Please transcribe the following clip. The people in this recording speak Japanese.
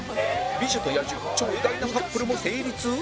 美女と野獣超意外なカップルも成立！？